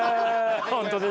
本当ですね。